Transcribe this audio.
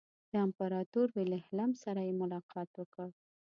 د امپراطور ویلهلم سره یې ملاقات وکړ.